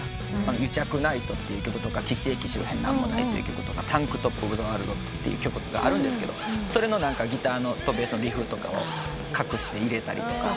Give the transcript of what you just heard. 『癒着☆ＮＩＧＨＴ』っていう曲とか『喜志駅周辺なんもない』とか『Ｔａｎｋ−ｔｏｐｏｆｔｈｅｗｏｒｌｄ』っていう曲があるんですけどそれのギターとベースのリフとかを隠して入れたりとか。